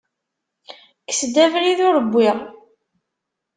Kkes-d abrid ur wwiɣ.